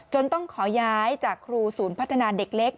ต้องขอย้ายจากครูศูนย์พัฒนาเด็กเล็ก